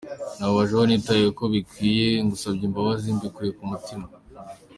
nababaje, uwo ntitayeho uko bikwiye ngusabye imbabazi mbikuye ku mutima.